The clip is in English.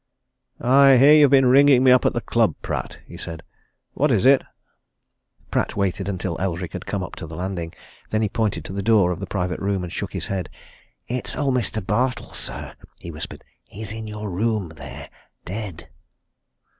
"I hear you've been ringing me up at the club, Pratt," he said. "What is it?" Pratt waited until Eldrick had come up to the landing. Then he pointed to the door of the private room, and shook his head. "It's old Mr. Bartle, sir," he whispered. "He's in your room there dead!"